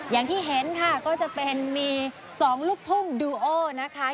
อย่างที่เห็นค่ะก็จะเป็นมี๒ลูกทุ่งดูโอนะคะ